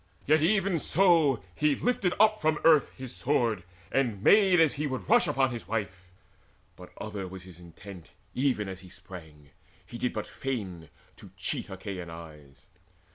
Yet even so he lifted up From earth his sword, and made as he would rush Upon his wife but other was his intent, Even as he sprang: he did but feign, to cheat Achaean eyes.